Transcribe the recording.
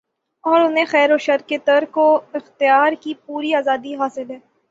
اور انھیں خیروشر کے ترک و اختیار کی پوری آزادی حاصل ہے